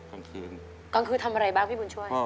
กลางคืนทำอะไรบ้างพี่บุญช่วย